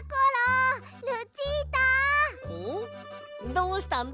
どうしたんだ？